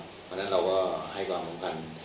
เพราะฉะนั้นเราก็ให้ความสำคัญ